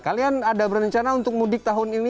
kalian ada berencana untuk mudik tahun ini